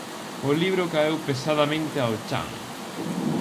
O libro caeu pesadamente ao chan.